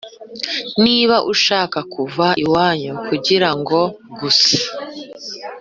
niba ushaka kuva iwanyu kugira ngo gusa